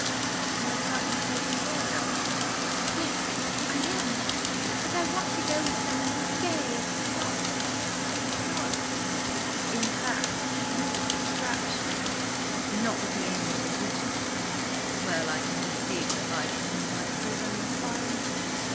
"I thought you said you were going?" "Yes, I am! But I want to go with someone who is gay–not–not–" "In fact, you want distraction, and not with the amiable Richard? Well, I can conceive that life with him might prove uninspiring.